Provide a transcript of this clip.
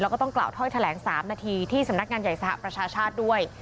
แล้วก็ต้องกล่าวถ้อยแถลง๓นาทีที่สำนักงานใหญ่สหประชาชาติด้วย